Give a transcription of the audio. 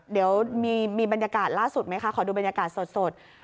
เดี๋ยวมีบรรยากาศล่าสุดไหมคะขอดูบรรยากาศสด